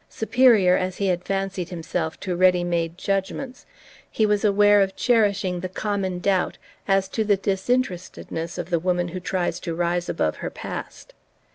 Superior as he had fancied himself to ready made judgments, he was aware of cherishing the common doubt as to the disinterestedness of the woman who tries to rise above her past.